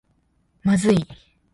まずい